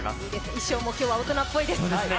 衣装も今日は大人っぽいです。